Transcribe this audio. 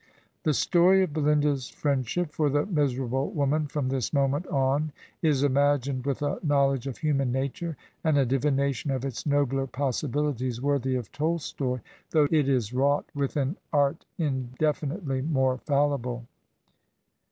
'" The story of Belinda's friendship for the miserable woman from this moment on is imagined with a knowl edge of human nature and a divination of its nobler possibilities worthy of Tolstoy, though it is wrought with an art indefinitely more fallible.